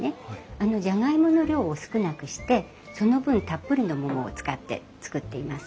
あのじゃがいもの量を少なくしてその分たっぷりの桃を使って作っています。